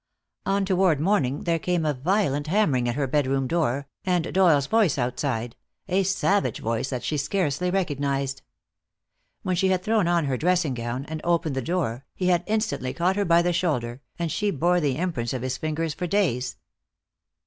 On toward morning there came a violent hammering at her bedroom door, and Doyle's voice outside, a savage voice that she scarcely recognized. When she had thrown on her dressing gown and opened the door he had instantly caught her by the shoulder, and she bore the imprints of his fingers for days.